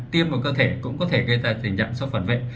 tiêm vào cơ thể cũng có thể gây ra tình trạng sốc phản vệ